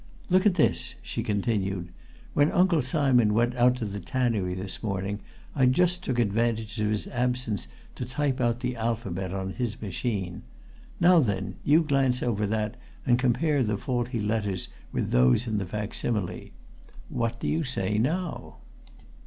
"Look at this!" she continued. "When Uncle Simon went out to the tannery this morning, I just took advantage of his absence to type out the alphabet on his machine. Now then, you glance over that and compare the faulty letters with those in the facsimile! What do you say now?"